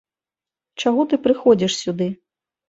Чаго ты прыходзіш сюды?